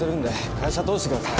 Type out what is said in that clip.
会社通してください。